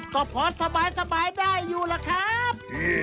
ก็พอสบายได้อยู่ล่ะครับ